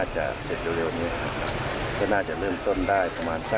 จะทำได้เร็วดีกว่า